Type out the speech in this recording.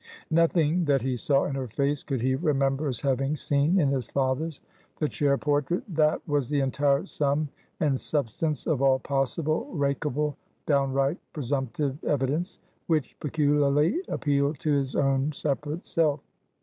Nothing that he saw in her face could he remember as having seen in his father's. The chair portrait, that was the entire sum and substance of all possible, rakable, downright presumptive evidence, which peculiarly appealed to his own separate self.